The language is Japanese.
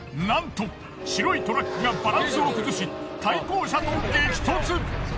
なんと白いトラックがバランスを崩し対向車と激突。